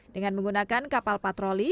dengan menggunakan kapal patroli